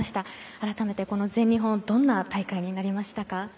改めて、この全日本どんな大会になりましたか？